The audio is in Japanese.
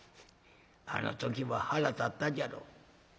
あの時は腹立ったじゃろ」。